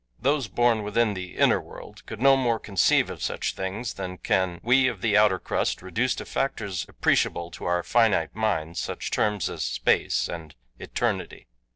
Those born within the inner world could no more conceive of such things than can we of the outer crust reduce to factors appreciable to our finite minds such terms as space and eternity.